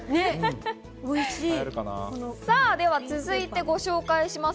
続いてご紹介します。